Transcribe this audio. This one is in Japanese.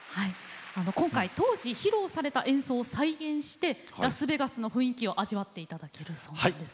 今回当時披露された演奏を再現してラスベガスの雰囲気を味わって頂けるそうなんです。